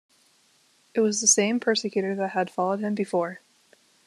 It was the same persecutor that had followed him before.